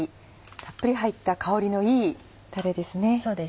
たっぷり入った香りのいいタレですね。